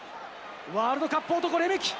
ワールドカップ男、レメキ。